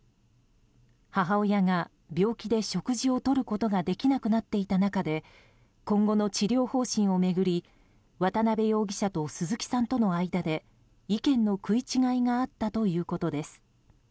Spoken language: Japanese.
母親が病気で食事をとることができなくなっていた中で今後の治療方針を巡り渡邊容疑者と鈴木さんとの間で意見の食い違いがあったということです。